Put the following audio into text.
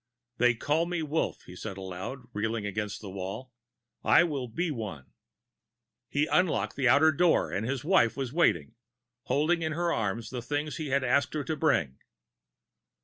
"They call me Wolf," he said aloud, reeling against the wall. "I will be one." He unlocked the outer door and his wife was waiting, holding in her arms the things he had asked her to bring.